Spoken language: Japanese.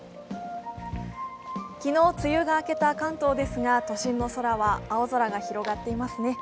昨日、梅雨が明けた関東ですが都心の空は青空が広がっていますね。